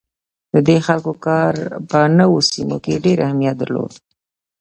د دې خلکو کار په نوو سیمو کې ډیر اهمیت درلود.